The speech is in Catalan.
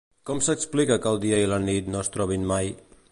Com s'explica que el dia i la nit no es trobin mai?